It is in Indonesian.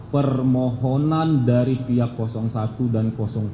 permohonan dari pihak satu dan dua